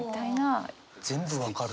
全部分かる。